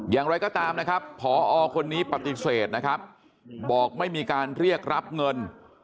อย่างไรก็ตามนะครับผอคนนี้ปฏิเสธนะครับบอกไม่มีการเรียกรับเงิน